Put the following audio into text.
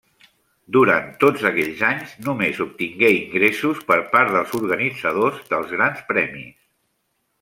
Durant tots aquells anys, només obtingué ingressos per part dels organitzadors dels Grans Premis.